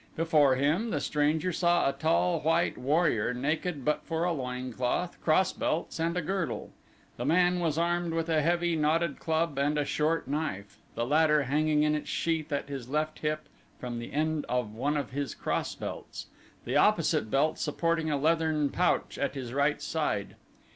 Before him the stranger saw a tall white warrior, naked but for a loin cloth, cross belts, and a girdle. The man was armed with a heavy, knotted club and a short knife, the latter hanging in its sheath at his left hip from the end of one of his cross belts, the opposite belt supporting a leathern pouch at his right side.